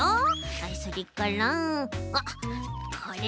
あっそれからあっこれも。